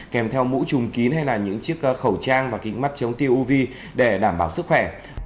kèm theo mũ chùm kín hay là những chiếc khẩu trang và kính mắt chống tiêu uv để đảm bảo sức khỏe